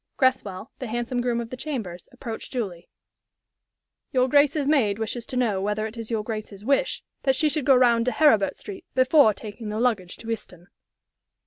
Greswell, the handsome groom of the chambers, approached Julie. "Your grace's maid wishes to know whether it is your grace's wish that she should go round to Heribert Street before taking the luggage to Euston?"